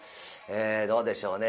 どうでしょうね